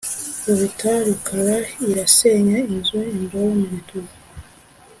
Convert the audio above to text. Kubita rukara irasenya inzu-Imboro mugituba